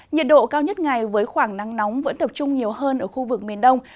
nhiệt độ cao nhất ngày với khoảng nắng nóng vẫn tập trung nhiều hơn ở khu vực miền đông